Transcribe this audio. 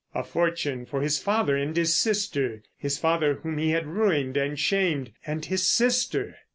A fortune for his father and his sister. His father whom he had ruined and shamed. And his sister!